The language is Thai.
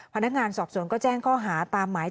พนักงานสอบสวนก็แจ้งข้อหาตามหมาย